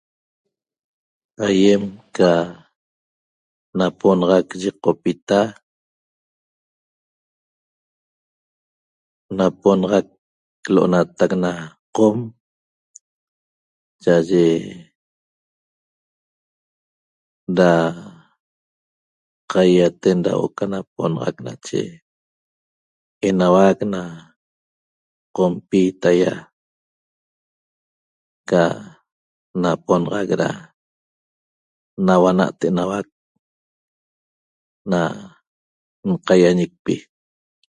Aýem ca naponaxac yiqopita naponaxac l'onatac na Qom cha'aye da qaýaýaten da huo'o ca naponaxac nache enauac na Qompi taýa ca naponaxac da nauana't enauac na nqaýañicpi